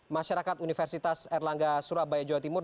masyarakat universitas erlangga surabaya jawa timur